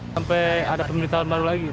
sampai ada pemerintahan baru lagi